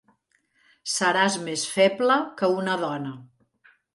Seràs més feble que una dona.